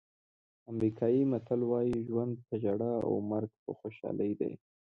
امریکایي متل وایي ژوند په ژړا او مرګ په خوشحالۍ دی.